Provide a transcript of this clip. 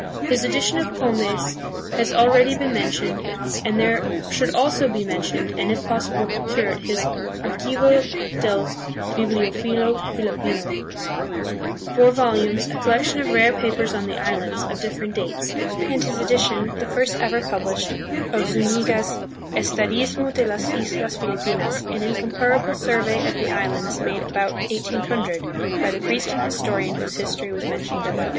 His edition of Combes has already been mentioned, and there should also be mentioned, and if possible procured, his Archivo del Biblitifilo Filipino, four volumes, a collection of rare papers on the islands, of differ ent dates; and his edition, the first ever published, of Zuniga's Estadismo de las Islas Filipinas, an incomparable survey of the islands made about 1800, by the priest and historian whose history was mentioned above.